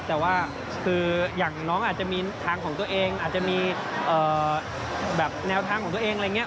แต่ว่าคืออย่างน้องอาจจะมีทางของตัวเองอาจจะมีแบบแนวทางของตัวเองอะไรอย่างนี้